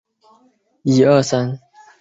毛枝藓为隐蒴藓科毛枝藓属下的一个种。